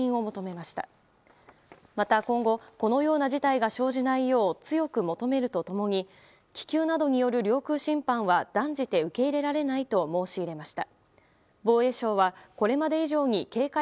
また今後このような事態が生じないよう強く求めると共に気球などによる領空侵犯は断じて受け入れられないと申し入れました。